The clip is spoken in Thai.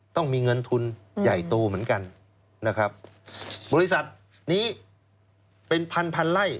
ต้องมีเงินทุนใหญ่โตเหมือนกันนะครับบริษัทนี้เป็นพันพันไล่